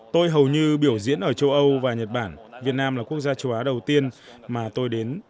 tôi hầu như biểu diễn ở châu âu và nhật bản việt nam là quốc gia châu á đầu tiên mà tôi đến